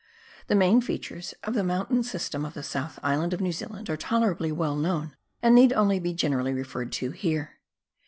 The main features of tlie mountain system of tlie Soutli Island of New Zealand are tolerably well known, and need only be generally referred to here.